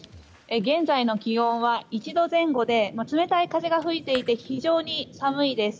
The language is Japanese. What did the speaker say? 現在の気温は１度前後で冷たい風が吹いていて非常に寒いです。